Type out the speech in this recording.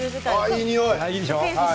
いいにおい。